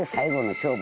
勝負。